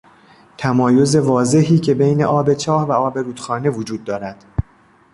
تمایز واضحی که بین آب چاه و آب رودخانه وجود دارد.